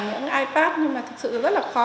những ipad nhưng mà thật sự rất là khó